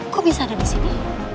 kok bisa ada di sini